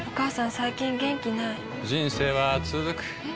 最近元気ない人生はつづくえ？